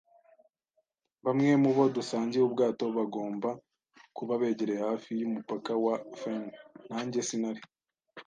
bamwe mubo dusangiye ubwato bagomba kuba begereye hafi yumupaka wa fen. Nanjye sinari